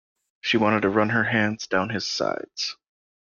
She wanted to run her hands down his sides.